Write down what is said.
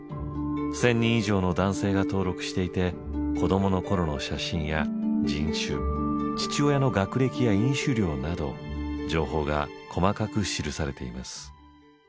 １０００人以上の男性が登録していて子どもの頃の写真や人種父親の学歴や飲酒量など情報が細かく記されています。